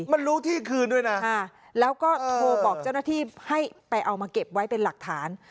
มันรู้ที่คืนด้วยนะแล้วก็โทรบอกเจ้าหน้าที่ให้ไปเอามาเก็บไว้เป็นหลักฐาน